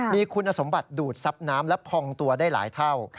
มีคุณสมบัติดูดซับน้ำและพองตัวได้หลายเท่า